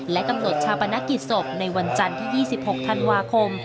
กำหนดชาปนกิจศพในวันจันทร์ที่๒๖ธันวาคม